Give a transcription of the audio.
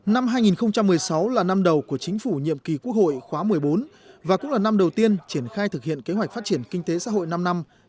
năm hai nghìn một mươi sáu là năm đầu của chính phủ nhiệm kỳ quốc hội khóa một mươi bốn và cũng là năm đầu tiên triển khai thực hiện kế hoạch phát triển kinh tế xã hội năm năm hai nghìn một mươi sáu hai nghìn hai mươi